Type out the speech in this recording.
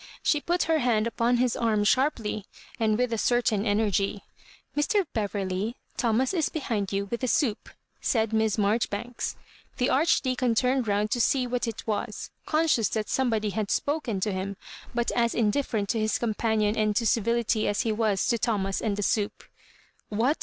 She put her hand upon his arm sharply, and with a certain energy. "Mr. Beverley, Thomas is behind you with the soup," said Miss Marjori banks. The Archdeacon turned round to see what it was, conscious that somebody had spoken to him, but as indifferent to his companion and to civility as he was to Thomas and the soup. "What?"